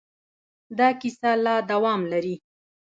دا کیسه لا دوام لري.